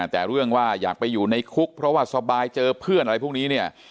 แต่เรื่องว่าอยากไปอยู่ในคุกเพราะว่าสบายเจอเพื่อนอะไรพวกนี้เนี่ย